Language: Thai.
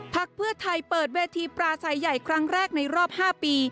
พักเพื่อไทยเปิดเวทีปราศัยใหญ่ครั้งแรกในรอบ๕ปี